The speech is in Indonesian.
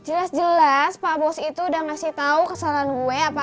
jelas jelas pak bos itu udah ngasih tahu kesalahan gue apa